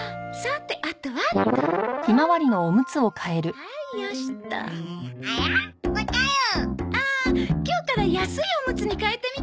ああ今日から安いおむつに変えてみたのよ。